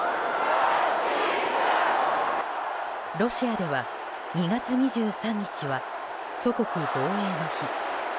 ロシアでは２月２３日は祖国防衛の日。